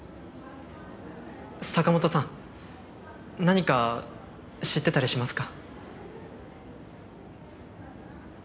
坂本さん何か知ってたりしますか？